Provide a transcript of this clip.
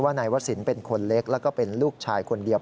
ว่านายวสินเป็นคนเล็กและเป็นลูกชายคนเดียว